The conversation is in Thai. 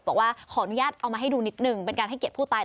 บอกว่าขออนุญาตเอามาให้ดูนิดหนึ่งเป็นการให้เกียรติผู้ตาย